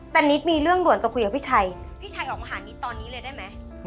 แต่นิดมีเรื่องด่วนจะคุยกับพี่ชัยพี่ชัยออกมาหานิดตอนนี้เลยได้ไหม